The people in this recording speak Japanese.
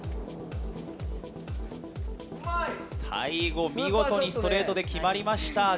最後、見事にストレートで決まりました。